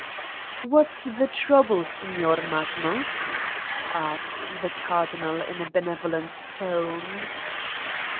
"What's the trouble, Signor Magnus?" asked the Cardinal in a benevolent tone.